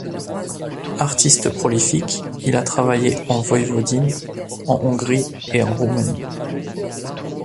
Artiste prolifique, il a travaillé en Voïvodine, en Hongrie et en Roumanie.